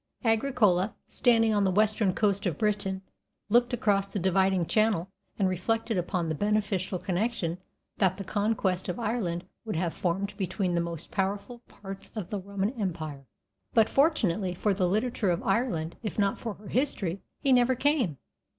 Agricola, standing on the western coast of Britain, looked across the dividing channel, and reflected upon "the beneficial connection that the conquest of Ireland would have formed between the most powerful parts of the Roman Empire," but, fortunately for the literature of Ireland, if not for her history, he never came.